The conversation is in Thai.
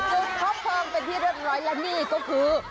คบเพลิงเป็นที่เรียบร้อยแล้วนี่ก็คือ